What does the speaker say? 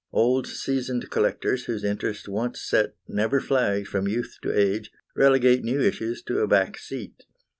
Old, seasoned collectors, whose interest once set never flags from youth to age, relegate new issues to a back seat.